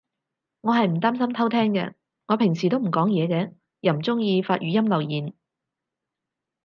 我係唔擔心偷聼嘅，我平時都唔講嘢嘅。又唔中意發語音留言